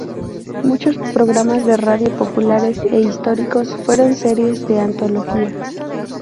Muchos programas de radio populares e históricos fueron series de antología.